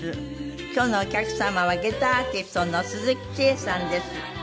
今日のお客様は下駄アーティストの鈴木千恵さんです。